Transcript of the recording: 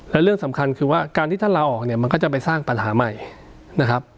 และเรื่องสำคัญคือว่าการที่ท่านลาออกเนี่ยมันก็จะไปสร้างปัญหาใหม่นะครับ